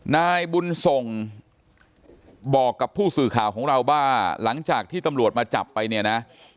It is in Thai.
นายบุญส่งบอกกับผู้สื่อข่าวของเราว่าหลังจากที่ตำรวจมาจับไปเนี่ยนะ